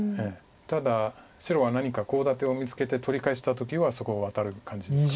ただ白は何かコウ立てを見つけて取り返した時はそこをワタる感じですか。